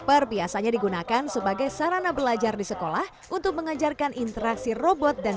apa yang ingin kamu ketahui robot pepper adalah robot humanoid karya softbank robotics jepang